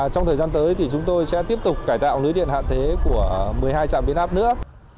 trong thời gian tới thì chúng tôi sẽ tiếp tục cải tạo lưới điện hạ thế của một mươi hai trạm biến áp nữa